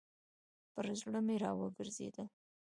پر زړه مي راوګرځېدل .